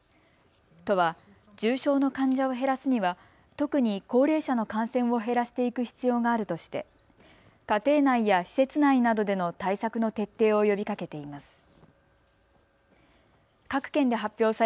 都は重症の患者を減らすには特に高齢者の感染を減らしていく必要があるとして家庭内や施設内などでの対策の徹底を呼びかけています。